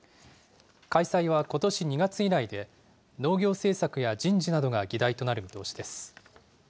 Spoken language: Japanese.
開催はことし２月以来で、農業政策や人事などが議題となる見通しです。